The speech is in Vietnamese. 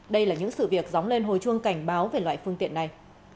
đây là những sự việc dóng lên hồi chuông cảnh báo về loại phương tiện này